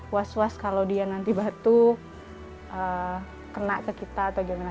was was kalau dia nanti batuk kena ke kita atau gimana